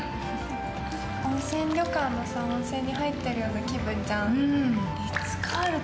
温泉旅館の温泉に入ってるような気分じゃん。